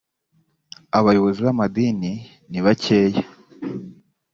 abayobozi b ‘amadini nibakeya.